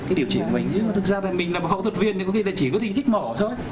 cái điều trị của mình chứ thực ra mình là một hậu thuật viên thì có khi là chỉ có thích mổ thôi